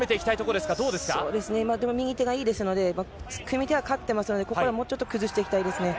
でも右手がいいですので、組手は勝ってますので、ここからもうちょっと崩していきたいですね。